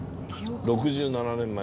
６７年前だ。